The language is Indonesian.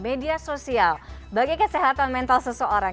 media sosial bagi kesehatan mental seseorang